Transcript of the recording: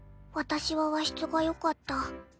私は和室がよかった。